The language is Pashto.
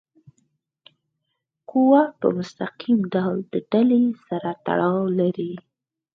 قوه په مستقیم ډول د ډلي سره تړاو لري.